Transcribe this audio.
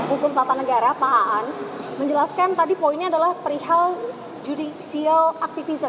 hukum tata negara pak aan menjelaskan tadi poinnya adalah perihal judicial activism